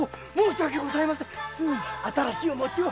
すぐに新しいお餅を。